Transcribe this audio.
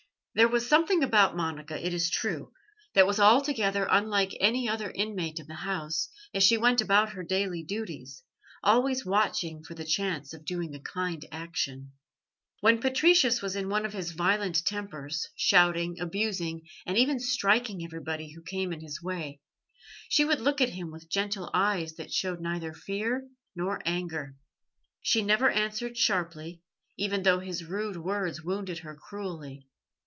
There was something about Monica, it is true, that was altogether unlike any other inmate of the house, as she went about her daily duties, always watching for the chance of doing a kind action. When Patricius was in one of his violent tempers, shouting, abusing, and even striking everybody who came in his way, she would look at him with gentle eyes that showed neither fear nor anger. She never answered sharply, even though his rude words wounded her cruelly.